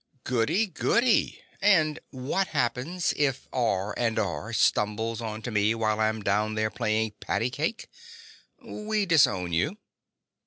"Goody, goody. And what happens if R&R stumbles onto me while I'm down there playing patty cake?" "We disown you."